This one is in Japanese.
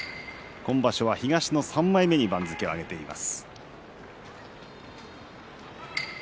今場所は東の３枚目に番付を上げています。